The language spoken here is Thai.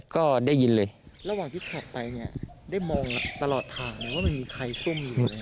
ก็ได้ยินเลยระหว่างที่ขับไปเนี่ยได้มองตลอดทางเลยว่ามันมีใครซุ่มอยู่ไหม